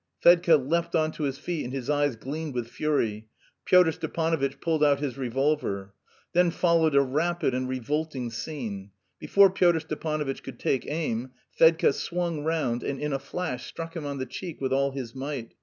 Fedka leapt on to his feet and his eyes gleamed with fury. Pyotr Stepanovitch pulled out his revolver. Then followed a rapid and revolting scene: before Pyotr Stepanovitch could take aim, Fedka swung round and in a flash struck him on the cheek with all his might.